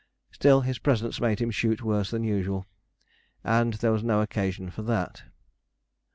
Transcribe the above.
Still his presence made him shoot worse than usual, and there was no occasion for that.